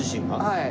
はい。